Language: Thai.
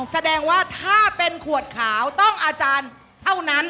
แสดงว่าถ้าเป็นขวดขาวต้องอาจารย์เท่านั้น